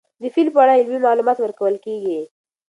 د فیل په اړه علمي معلومات ورکول کېږي.